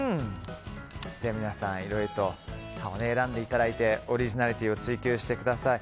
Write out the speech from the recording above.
皆さんいろいろと選んでいただいてオリジナリティーを追求してください。